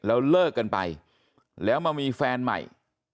แล้วเลิกกันไปแล้วมามีแฟนใหม่